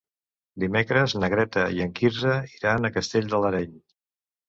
Dimecres na Greta i en Quirze iran a Castell de l'Areny.